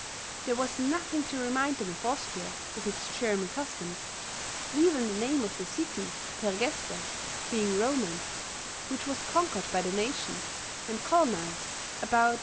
There was nothing to remind them of Austria with its German customs, even the name of the city (Tergeste) being Roman, which was conquered by that nation, and colonized about B.